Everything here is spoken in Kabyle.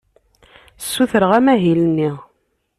Ssutreɣ amahil-nni.